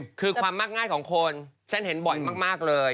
คือความมักง่ายของคนฉันเห็นบ่อยมากเลย